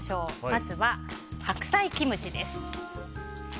まずは、白菜キムチです。